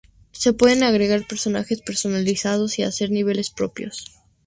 Se pueden agregar personajes personalizados y hacer niveles propios.